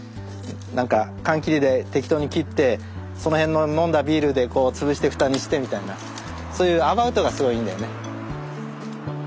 なんか缶切りで適当に切ってその辺の飲んだビールでこう潰して蓋にしてみたいなそういうアバウトがすごいいいんだよね。